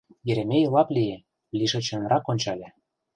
Еремей лап лие, лишычынрак ончале.